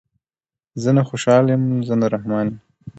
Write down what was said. زه نه خوشحال یم زه نه رحمان یم